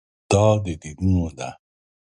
دا د دینونو ده.